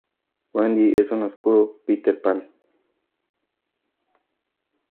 Wendy es un oscuro 'Peter Pan'.